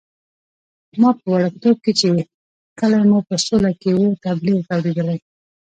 ما په وړکتوب کې چې کلی مو په سوله کې وو، تبلیغ اورېدلی.